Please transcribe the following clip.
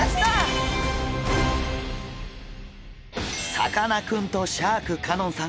さかなクンとシャーク香音さん